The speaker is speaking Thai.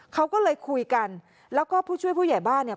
เขาก็เลยคุยกันแล้วก็ผู้ช่วยผู้ใหญ่บ้านเนี่ย